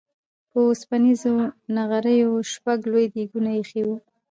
په اوسپنيزو نغريو شپږ لوی ديګونه اېښي وو.